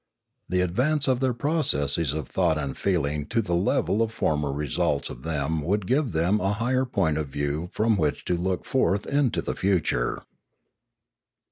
The advance of their processes of thought and feeling to the level of the former results of them would give them a higher point of view from which to look forth into the future.